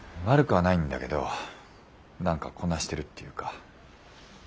悪くはないんだけど何かこなしてるっていうか。